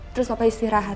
terus papa istirahat